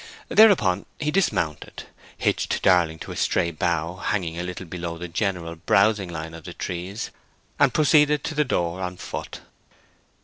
Thereupon he dismounted, hitched Darling to a stray bough hanging a little below the general browsing line of the trees, and proceeded to the door on foot.